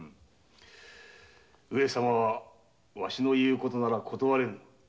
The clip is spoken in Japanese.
上様はわしの言うことなら断れぬ。